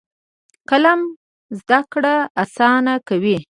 قلم زده کړه اسانه کوي.